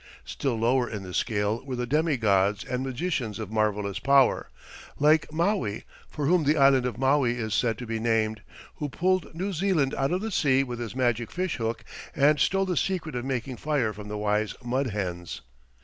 Still lower in the scale were the demi gods and magicians of marvelous power, like Maui, for whom the island of Maui is said to be named, who pulled New Zealand out of the sea with his magic fish hook and stole the secret of making fire from the wise mud hens.